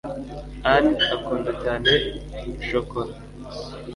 ann akunda cyane shokora